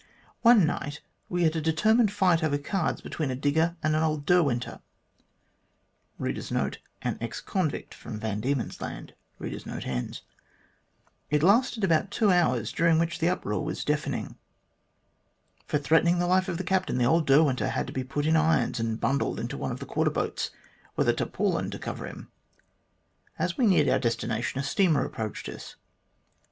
One night we had a determined fight over cards between a digger and an old Derwenter.* It lasted about two hours, during which the uproar was deafening. For threatening the life of the captain, the old Derwenter had to be put in irons and bundled into one of the quarter boats, with a tarpaulin to cover him. As we neared our destination a steamer approached us.